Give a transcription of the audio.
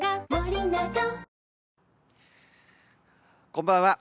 こんばんは。